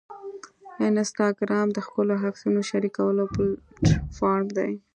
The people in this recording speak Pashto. انسټاګرام د ښکلو عکسونو شریکولو پلیټفارم دی.